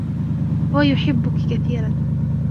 هو يحبك كثيرًا.